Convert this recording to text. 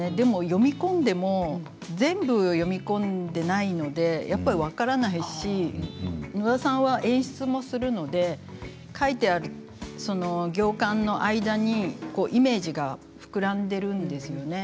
読み込んでも全部読み込んでいないのでやっぱり分からないし野田さんは演出もするので書いてある、その行間の間にイメージが膨らんでいるんですよね。